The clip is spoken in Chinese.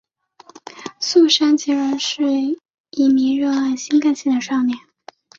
速杉隼人是一名热爱新干线的少年。